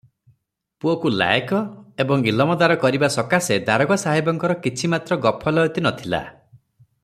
ପୁଅକୁ ଲାଏକ ଏବଂ ଇଲମଦାର କରିବା ସକାଶେ ଦାରୋଗା ସାହେବଙ୍କର କିଛିମାତ୍ର ଗଫଲୟତି ନ ଥିଲା ।